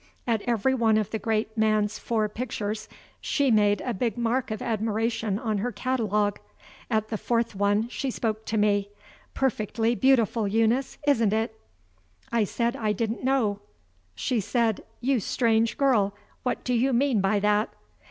At every one of the great man's four pictures, she made a big mark of admiration on her catalogue. At the fourth one, she spoke to me: "Perfectly beautiful, Eunice, isn't it?" I said I didn't know. She said: "You strange girl, what do you mean by that?"